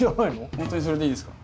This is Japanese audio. ほんとにそれでいいですか？